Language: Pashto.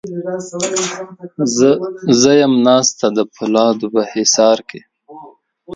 زه یم ناسته د پولادو په حصار کې